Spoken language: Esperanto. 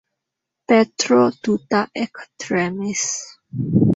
Petro tuta ektremis.